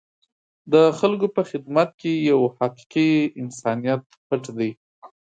د خلکو په خدمت کې یو حقیقي انسانیت پټ دی.